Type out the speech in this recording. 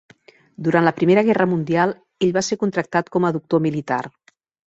Durant la Primera Guerra Mundial, ell va ser contractat com a doctor militar.